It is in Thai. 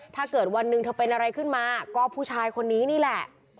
ถ้าเกิดวันหนึ่งเธอเป็นอะไรขึ้นมาก็ผู้ชายคนนี้นี่แหละ